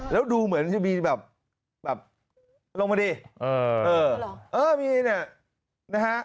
แล้วดูเหมือนจะมีแบบลงมาดิเออเหรอเออมีเนี่ยนะฮะ